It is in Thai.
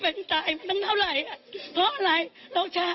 เพราะเรารักบ้านเมืองเรารักประเทศนี้